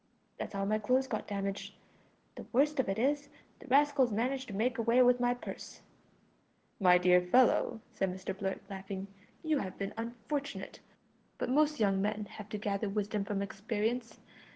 That's how my clothes got damaged. The worst of it is, the rascals managed to make away with my purse." "My dear fellow," said Mr Blurt, laughing, "you have been unfortunate. But most young men have to gather wisdom from experience.